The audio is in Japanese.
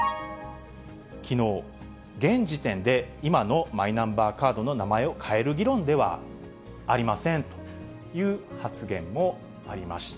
きのう、現時点で今のマイナンバーカードの名前を変える議論ではありませんという発言もありました。